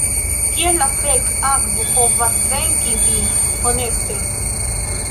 Kiel la fek' akvo povas venki vin, honeste?